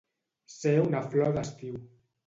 Ser una flor d'estiu.